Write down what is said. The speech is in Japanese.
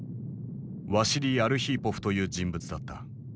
ワシリー・アルヒーポフという人物だった。